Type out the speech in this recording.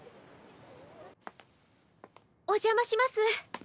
お邪魔します。